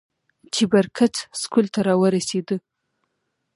چې بر کڅ سکول ته راورسېدۀ ـ